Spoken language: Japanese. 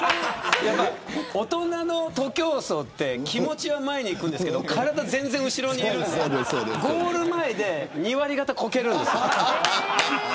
大人の徒競走って気持ちは前に行くんですが体が全然後ろにいるのでゴール前で２割方、こけるんです。